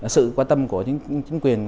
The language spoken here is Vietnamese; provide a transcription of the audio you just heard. sự quan tâm của chính quyền